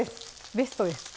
ベストです